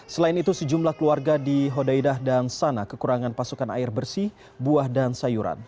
selain itu sejumlah keluarga di hodaidah dan sana kekurangan pasokan air bersih buah dan sayuran